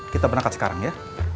kita berangkat sekarang ya